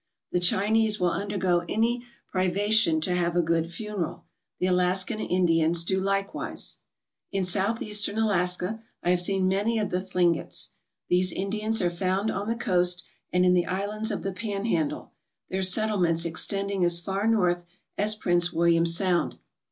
The Chinese will undergo any privation to have a good funeral. The Alaskan Indians do likewise. , In Southeastern Alaska I have seen many of the Thlin gets. These Indians are found on the coast and in the islands of the Panhandle, their settlements extending as far north as Prince William Sound.